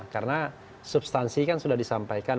karena substansi kan sudah disampaikan